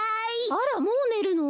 あらもうねるの？